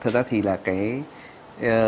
thực ra thì là cái